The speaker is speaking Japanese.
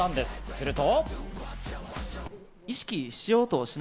すると。